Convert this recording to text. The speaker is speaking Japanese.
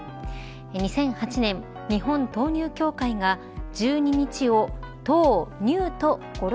２００８年、日本豆乳協会が１２日を１０、２と語呂